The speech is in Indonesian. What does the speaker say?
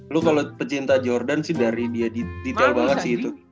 lu kalau pecinta jordan sih dari dia detail banget sih itu